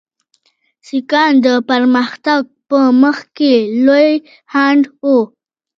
سیکهان د پرمختګ په مخ کې لوی خنډ وو.